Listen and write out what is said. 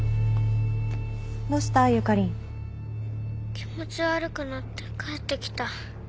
気持ち悪くなって帰ってきた。